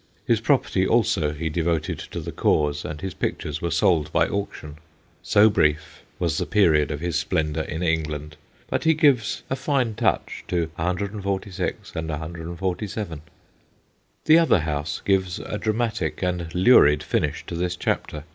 His property also he devoted to the cause, and his pictures were sold by auction. So brief was the period of his splendour in England, but he gives a fine touch to 146 and 147. The other house gives a dramatic and lurid finish to this chapter.